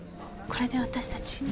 これで私たち。